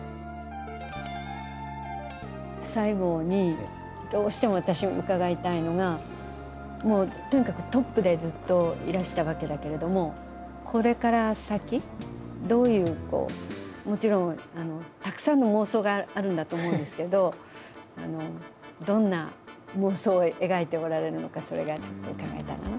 最後にどうしても私伺いたいのがもうとにかくトップでずっといらしたわけだけれどもこれから先どういうこうもちろんたくさんの妄想があるんだと思うんですけどどんな妄想を描いておられるのかそれがちょっと伺えたらなと。